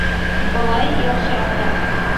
Былай яҡшыраҡ та.